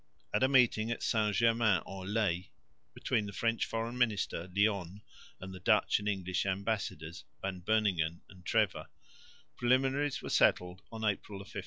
At a meeting at St Germain en Laye between the French Foreign Minister, Lionne, and the Dutch and English ambassadors, Van Beuningen and Trevor, preliminaries were settled on April 15.